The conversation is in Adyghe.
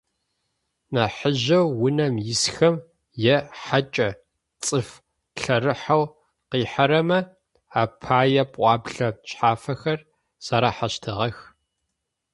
Нахьыжъэу унэм исхэм, е хьакӏэ, цӏыф лъэрыхьэу къихьэрэмэ апае пӏоблэ шъхьафхэр зэрахьэщтыгъэх.